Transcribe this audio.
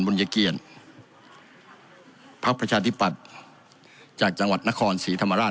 มนเกียรติพรรคประชาทศิปดภ์จากจังหวัดนครศรีธรรมาศ